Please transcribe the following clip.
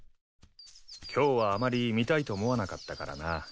今日はあまり見たいと思わなかったからな。